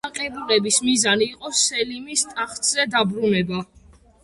აჯანყებულების მიზანი იყო სელიმის ტახტზე დაბრუნება.